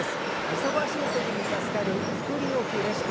忙しい時に助かる作り置きレシピ。